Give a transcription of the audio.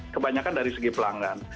kebanyakan dari segi pelanggan